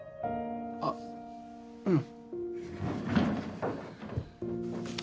あっうん。